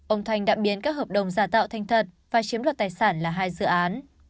ông thanh đã biến các hợp đồng giả tạo thành thật và chiếm đoạt tài sản là hai dự án